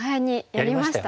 やりましたよね。